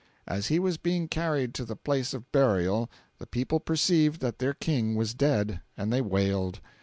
As he was being carried to the place of burial the people perceived that their King was dead, and they wailed.